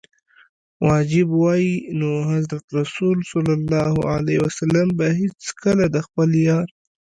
واجب وای نو حضرت رسول ص به هیڅکله د خپل یار.